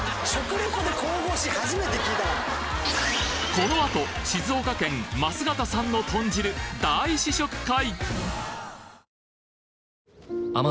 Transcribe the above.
このあと静岡県桝形さんの豚汁大試食会！